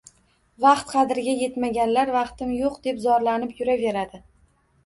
Vaqt qadriga etmaganlar “vaqtim yo‘q” deb zorlanib yuraveradi.